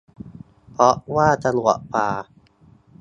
เพราะว่าสะดวกกว่า